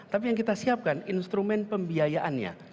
tapi yang kita siapkan instrumen pembiayaannya